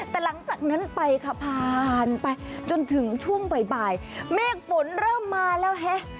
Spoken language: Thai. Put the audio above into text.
แต่หลังจากนั้นไปค่ะผ่านไปจนถึงช่วงบ่ายเมฆฝนเริ่มมาแล้วฮะ